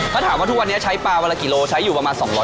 ถ้าถามว่าทุกวันนี้ใช้ปลาวันละกี่โลใช้อยู่ประมาณ๒๐๐